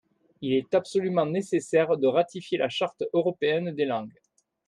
Il est absolument nécessaire de ratifier la Charte européenne des langues.